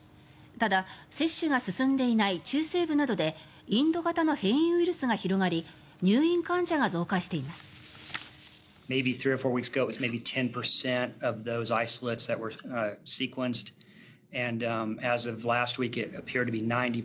ただ、接種が進んでいない中西部などでインド型の変異ウイルスが広がり入院患者が増加しています。